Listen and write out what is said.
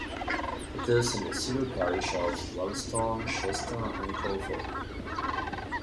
It is in the civil parish of Wyboston, Chawston and Coleford.